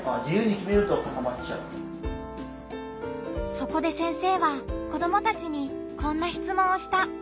そこで先生は子どもたちにこんな質問をした。